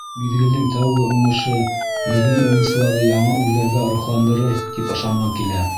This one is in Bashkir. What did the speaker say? Миҙгелдең тәүге уңышы беҙҙең уйынсыларҙы яңы үрҙәргә рухландырыр, тип ышанғы килә.